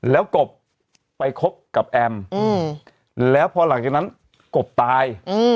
แล้วกบไปคบกับแอมแล้วพอหลังจากนั้นกบตาย